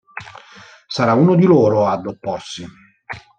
Sarà uno di loro ad opporsi.